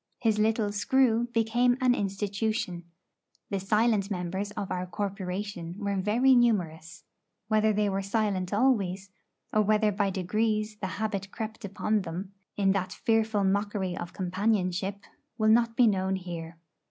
His little 'screw' became an institution. The silent members of our corporation were very numerous; whether they were silent always, or whether by degrees the habit crept upon them in that fearful mockery of companionship, will not be known here.